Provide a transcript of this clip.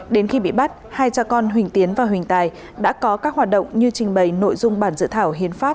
đến khi bị bắt hai cha con huỳnh tiến và huỳnh tài đã có các hoạt động như trình bày nội dung bản dự thảo hiến pháp